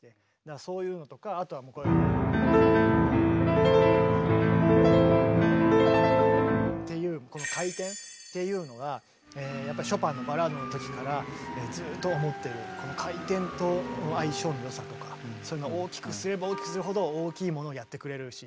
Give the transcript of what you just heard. そういうのとかあとは。っていうこの回転っていうのがやっぱりショパンの「バラード」のときからずっと思ってるこの回転との相性の良さとかそういうのを大きくすれば大きくするほど大きいものをやってくれるし。